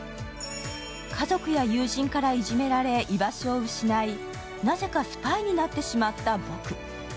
家族や友人からいじめられ、居場所を失いなぜかスパイになってしまった僕。